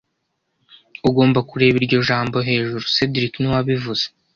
Ugomba kureba iryo jambo hejuru cedric niwe wabivuze